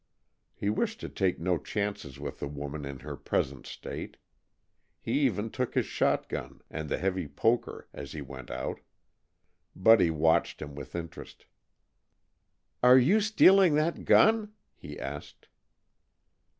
He wished to take no chances with the woman in her present state. He even took his shot gun and the heavy poker as he went out. Buddy watched him with interest. "Are you stealing that gun?" he asked.